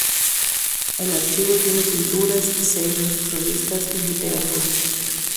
El archivo tiene pinturas, sellos, revistas y literatura.